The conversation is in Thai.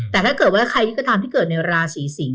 แต่ถ้าเกิดว่าใครก็ตามที่เกิดในราศีสิงศ